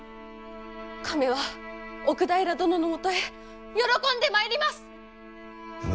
亀は奥平殿のもとへ喜んで参ります！